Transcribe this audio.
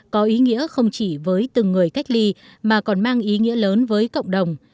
có ý nghĩa không chỉ với từng người cách ly mà còn mang ý nghĩa lớn với cộng đồng